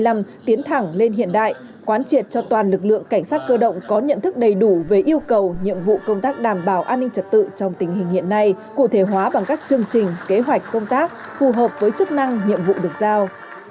toàn lực lượng cảnh sát cơ động có nhận thức đầy đủ về yêu cầu nhiệm vụ công tác đảm bảo an ninh trật tự trong tình hình hiện nay cụ thể hóa bằng các chương trình kế hoạch công tác phù hợp với chức năng nhiệm vụ được giao